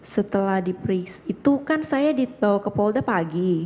setelah diperiksa itu kan saya dibawa ke polda pagi